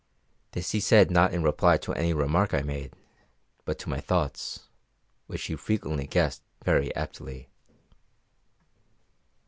This he said not in reply to any remark I had made, but to my thoughts, which he frequently guessed very aptly.